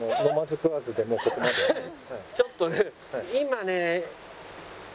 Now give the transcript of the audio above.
ちょっとね。